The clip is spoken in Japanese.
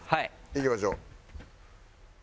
いきましょう。